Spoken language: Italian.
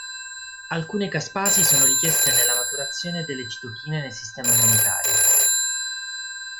Alcune caspasi sono richieste nella maturazione delle citochine nel sistema immunitario.